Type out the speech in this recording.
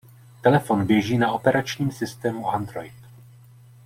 Telefon běží na operačním systému Android.